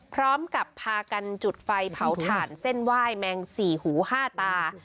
พร้อมกับพากันจุดไฟเผาถ่านเส้นไหว้แมงสี่หูห้าตา